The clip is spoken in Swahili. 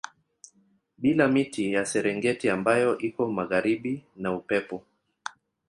Bila miti ya Serengeti ambayo iko magharibi na Upepo